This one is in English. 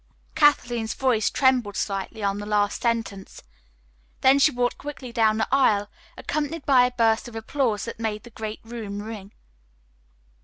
Kathleen's voice trembled slightly on the last sentence. Then she walked quickly down the aisle, accompanied by a burst of applause that made the great room ring.